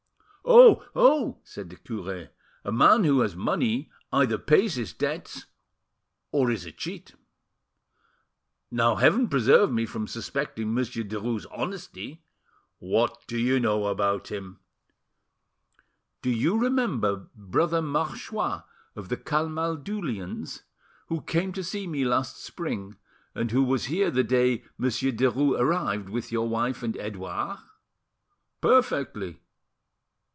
"Oh! oh!" said the cure, "a man who has money either pays his debts, or is a cheat. Now Heaven preserve me from suspecting Monsieur Derues' honesty!" "What do you know about him?" "Do you remember Brother Marchois of the Camaldulians, who came to see me last spring, and who was here the day Monsieur Derues arrived, with your wife and Edouard?" "Perfectly.